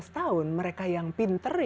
lima belas tahun mereka yang pinter